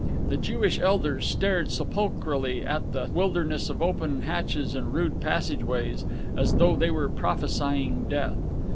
The Jewish elders stared sepulchrally at the wilderness of open hatches and rude passageways, as though they were prophesying death.